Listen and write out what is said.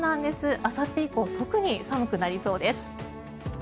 あさって以降特に寒くなりそうです。